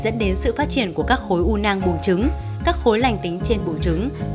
điều này dẫn đến sự phát triển của các khối u nang buồn trứng các khối lành tính trên buồn trứng